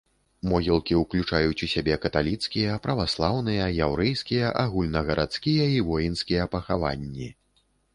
Могілкі ўключаюць у сябе каталіцкія, праваслаўныя, яўрэйскія, агульнагарадскія і воінскія пахаванні.